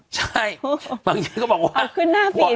ใช่บางคนก็บอกว่า